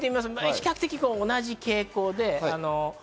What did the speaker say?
比較的、同じ傾向です。